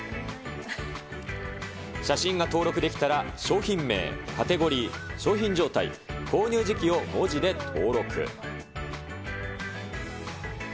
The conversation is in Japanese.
写真が登録できたら、商品名、カテゴリー、商品状態、購入時期を文字で登録。